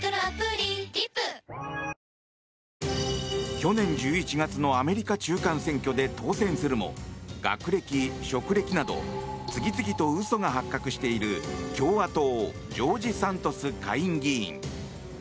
去年１１月のアメリカ中間選挙で当選するも学歴・職歴など次々と嘘が発覚している共和党ジョージ・サントス下院議員。